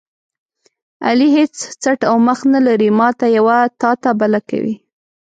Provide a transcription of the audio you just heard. علي هېڅ څټ او مخ نه لري، ماته یوه تاته بله کوي.